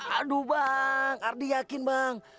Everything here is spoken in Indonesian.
aduh bang ardi yakin bang